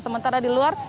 sementara di luar